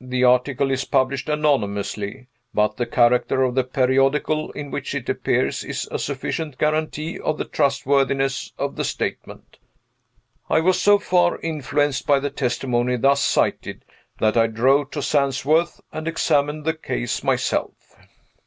The article is published anonymously; but the character of the periodical in which it appears is a sufficient guarantee of the trustworthiness of the statement. I was so far influenced by the testimony thus cited, that I drove to Sandsworth and examined the case myself."